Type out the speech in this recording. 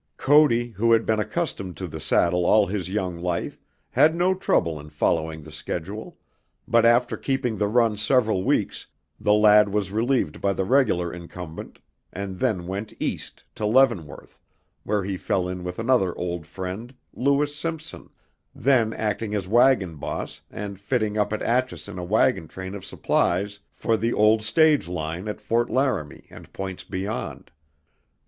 Cody, who had been accustomed to the saddle all his young life, had no trouble in following the schedule, but after keeping the run several weeks, the lad was relieved by the regular incumbent, and then went east, to Leavenworth, where he fell in with another old friend, Lewis Simpson, then acting as wagon boss and fitting up at Atchison a wagon train of supplies for the old stage line at Fort Laramie and points beyond.